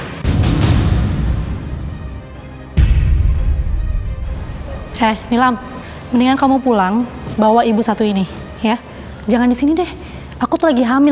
hai hai hai nila mendingan kamu pulang bawa ibu satu ini ya jangan di sini deh aku lagi hamil